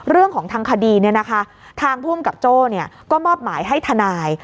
นี้เรื่องของทางคดีเนี้ยนะคะทางภูมิกับโจ้เนี้ยก็มอบหมายให้ทนาย